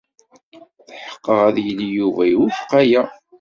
Tḥeqqeɣ ad yili Yuba iwufeq aya.